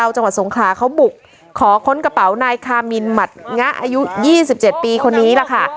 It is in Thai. จังหวัดสงขลาเขาบุกขอค้นกระเป๋านายคามินหมัดงะอายุ๒๗ปีคนนี้ล่ะค่ะ